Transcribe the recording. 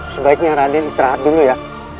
sebaiknya raden istirahat dulu ya